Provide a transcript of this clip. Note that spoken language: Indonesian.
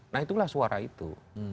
nah itulah suara itu